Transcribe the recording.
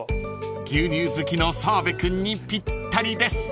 ［牛乳好きの澤部君にぴったりです］